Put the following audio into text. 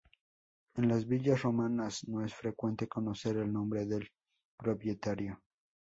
En las villas romanas no es frecuente conocer el nombre del propietario.